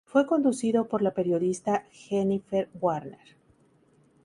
Fue conducido por la periodista Jennifer Warner.